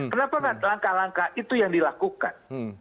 kenapa enggak langkah langkah itu yang dilakukan